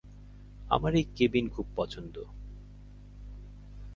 আমার এই কেবিন খুব পছন্দ।